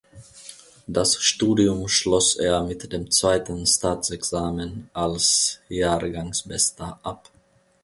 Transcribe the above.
Das Studium schloss er mit dem zweiten Staatsexamen als Jahrgangsbester ab.